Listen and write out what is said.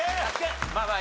まあまあ